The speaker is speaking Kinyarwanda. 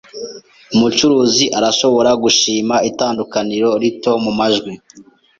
Umucuranzi arashobora gushima itandukaniro rito mumajwi.